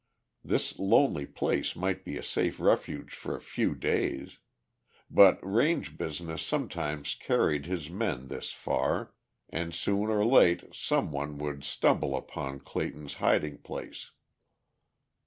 This lonely place might be a safe refuge for a few days. But range business sometimes carried his men this far, and soon or late some one would stumble upon Clayton's hiding place.